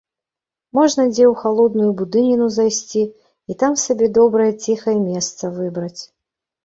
Можна дзе ў халодную будыніну зайсці і там сабе добрае ціхае месца выбраць.